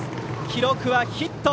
記録はヒット。